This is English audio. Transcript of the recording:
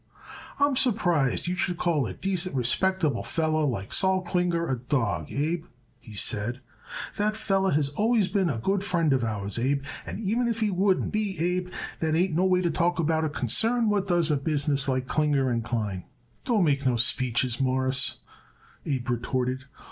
"I'm surprised you should call a decent, respectable feller like Sol Klinger a dawg, Abe," he said. "That feller has always been a good friend of ours, Abe, and even if he wouldn't be, Abe, that ain't no way to talk about a concern what does a business like Klinger & Klein." "Don't make no speeches, Mawruss," Abe retorted.